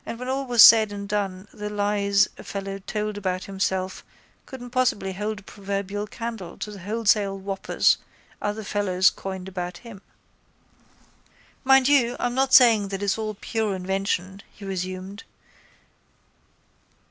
And when all was said and done the lies a fellow told about himself couldn't probably hold a proverbial candle to the wholesale whoppers other fellows coined about him. —Mind you, I'm not saying that it's all a pure invention, he resumed.